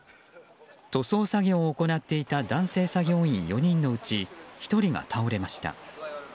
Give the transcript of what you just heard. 塗装作業を行っていた男性作業員４人のうち１人が倒れました。